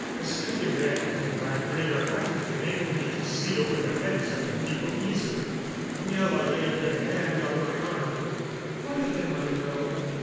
I stood erect, and my greater height enabled me to see over the heads of the people easily. Miela laid her hand on my arm. "One of them I know.